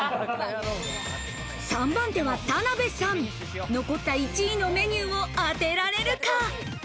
３番手は田辺さん、残った１位のメニューを当てられるか？